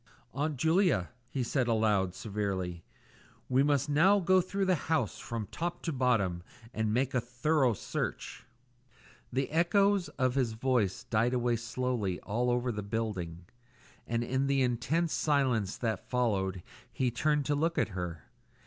"Aunt Julia," he said aloud, severely, "we must now go through the house from top to bottom and make a thorough search." The echoes of his voice died away slowly all over the building, and in the intense silence that followed he turned to look at her.